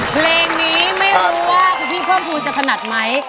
เพลงนี้ไม่รู้ว่าคุณพี่เพิ่มภูมิจะถนัดไหม